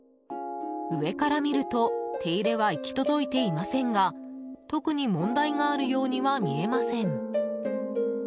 上から見ると手入れは行き届いていませんが特に問題があるようには見えません。